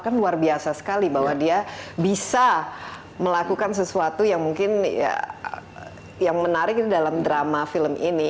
kan luar biasa sekali bahwa dia bisa melakukan sesuatu yang mungkin yang menarik dalam drama film ini